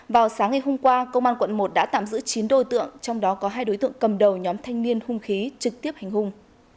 vào sáng ngày hôm qua công an quận một đã tạm giữ chín đối tượng trong đó có hai đối tượng cầm đầu nhóm thanh niên hung khí trực tiếp hành hung